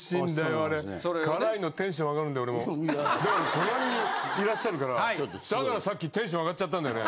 隣にいらっしゃるからだからさっきテンション上がっちゃったんだよね。